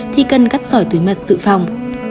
thì cần cắt sỏi túi mật dự phòng